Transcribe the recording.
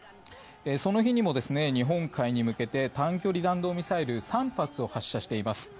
その日にも日本海に向けて短距離弾道ミサイル３発を発射しています。